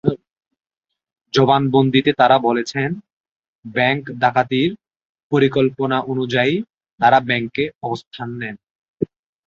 জবানবন্দিতে তাঁরা বলেছেন, ব্যাংক ডাকাতির পরিকল্পনা অনুযায়ী তাঁরা ব্যাংকে অবস্থান নেন।